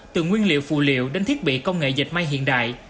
từ nguyên liệu phù liệu đến thiết bị công nghệ dịch may hiện đại